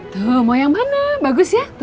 tuh mau yang mana bagus ya